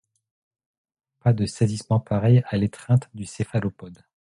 Pas de saisissement pareil à l’étreinte du céphalopode.